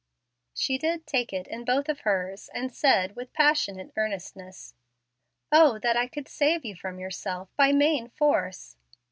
She did take it in both of hers, and said, with passionate earnestness, "O that I could save you from yourself by main force!"